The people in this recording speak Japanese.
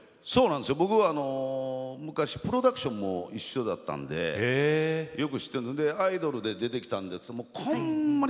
僕は昔プロダクションが一緒だったのでよく知っているのでアイドルで出てきたんですけれども、ほんまに